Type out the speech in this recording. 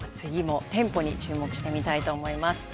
テンポに注目して見たいと思います。